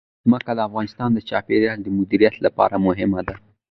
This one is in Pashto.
ځمکه د افغانستان د چاپیریال د مدیریت لپاره مهم دي.